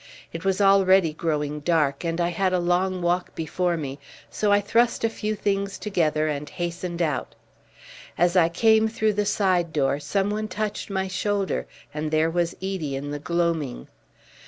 It was already growing dark, and I had a long walk before me, so I thrust a few things together and hastened out. As I came through the side door someone touched my shoulder, and there was Edie in the gloaming.